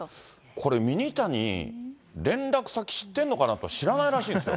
これ、ミニタニ、連絡先知ってんのかなと、知らないんですよ。